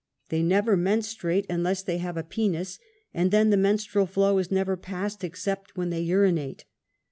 They never menstruate unless they have a.^ penis, and then the menstrual fluid is never passed,] except when they urinate.